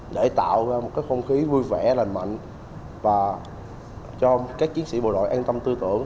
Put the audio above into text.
để tạo ra một cái không khí vui vẻ lành mạnh và cho các chiến sĩ bộ đội an tâm tư tưởng